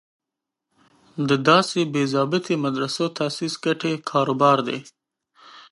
د داسې بې ضابطې مدرسو تاسیس ګټې کار و بار دی.